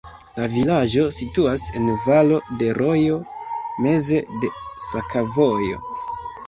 La vilaĝo situas en valo de rojo, meze de sakovojo.